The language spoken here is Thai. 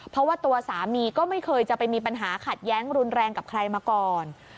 เพราะว่าตัวสามีก็ไม่เคยจะไปมีปัญหาขัดแย้งรุนแรงกับใครมาก่อน